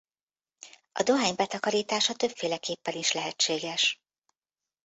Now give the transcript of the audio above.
A dohány betakarítása többféleképpen is lehetséges.